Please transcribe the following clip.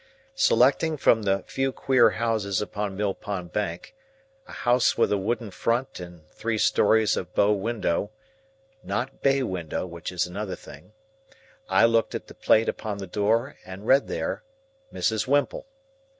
Selecting from the few queer houses upon Mill Pond Bank a house with a wooden front and three stories of bow window (not bay window, which is another thing), I looked at the plate upon the door, and read there, Mrs. Whimple.